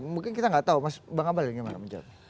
mungkin kita gak tahu mas bang ambal yang gimana menjelaskan